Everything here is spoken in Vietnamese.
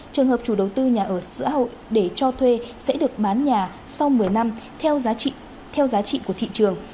trường hợp chủ đầu tư nhà ở xã hội để cho thuê sẽ được bán nhà sau một mươi năm theo giá trị của thị trường